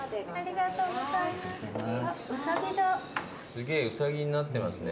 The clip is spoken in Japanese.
すげえウサギになってますね。